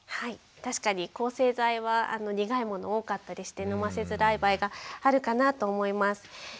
確かに抗生剤は苦いもの多かったりして飲ませづらい場合があるかなと思います。